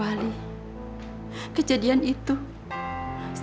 budak itu anak suceding madad